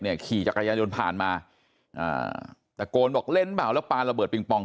เนี่ยขี่จักรยานยนต์ผ่านมาแต่โกนบอกเล่นบ่าแล้วปลาระเบิดปริงปอง